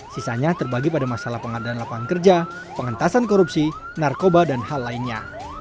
sisanya terbagi pada masalah pengadaan lapangan kerja pengentasan korupsi narkoba dan hal lainnya